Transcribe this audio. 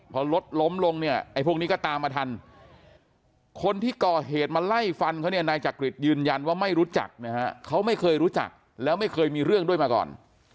พอรถล้มลงเนี่ยไอ้พวกนี้ก็ตามมาทันคนที่ก่อเหตุมาไล่ฟันเขาเนี่ยนายจักริตยืนยันว่าไม่รู้จักนะฮะเขาไม่เคยรู้จักแล้วไม่เคยมีเรื่องด้วยมาก่อน